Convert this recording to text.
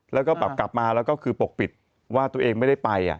แล้วก็แบบกลับมาแล้วก็คือปกปิดว่าตัวเองไม่ได้ไป